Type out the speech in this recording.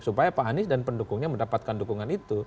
supaya pak anies dan pendukungnya mendapatkan dukungan itu